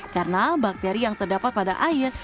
karena bakteri yang terdapat pada air